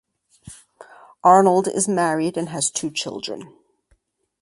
Arnold is married and has two children.